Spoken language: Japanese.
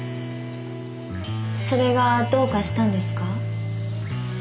それがどうかしたんですか？